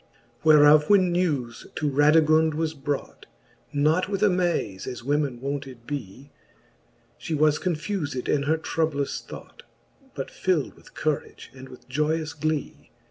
XXV. Whereof when newes to Radigund was brought, Not with amaze, as women wonted bee. She was confufed in her troublous thought. But fild with courage and with joyous glee.